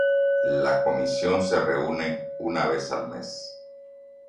La comisión se reúne una vez al mes.